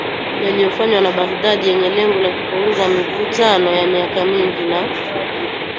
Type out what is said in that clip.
yaliyofanywa na Baghdad yenye lengo la kupunguza mivutano ya miaka mingi na